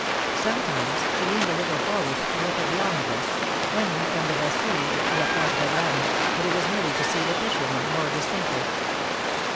Sometimes she leaned , a little for ward to look at the omnibus, running from the Bastile to la Place Wagram, but it was merely to see the fish woman more distinctly.